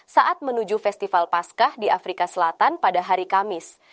saat menuju festival pascah di afrika selatan pada hari kamis